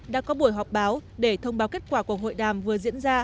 đã có buổi họp báo để thông báo kết quả của hội đàm vừa diễn ra